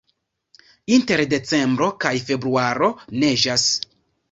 Inter decembro kaj februaro neĝas.